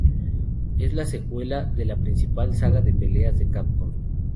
Es la secuela de una de la principal saga de peleas de Capcom.